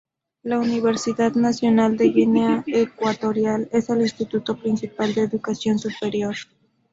La Universidad Nacional de Guinea Ecuatorial es el instituto principal de educación superior.